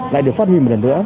lại được phát huy một lần nữa